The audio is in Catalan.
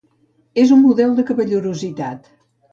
És un model de cavallerositat.